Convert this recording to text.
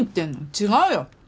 違うよ。